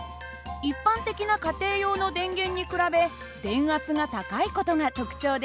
一般的な家庭用の電源に比べ電圧が高い事が特徴です。